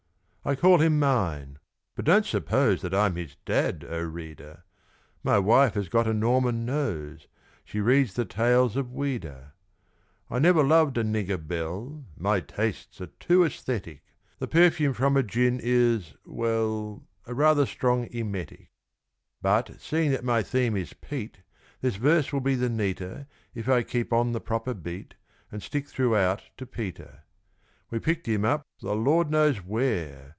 I call him mine; but don't suppose That I'm his dad, O reader! My wife has got a Norman nose She reads the tales of Ouida. I never loved a nigger belle My tastes are too aesthetic! The perfume from a gin is well, A rather strong emetic. But, seeing that my theme is Pete, This verse will be the neater If I keep on the proper beat, And stick throughout to Peter. We picked him up the Lord knows where!